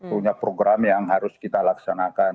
punya program yang harus kita laksanakan